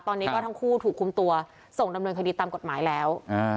ตอนนี้ก็ทั้งคู่ถูกคุมตัวส่งดำเนินคดีตามกฎหมายแล้ว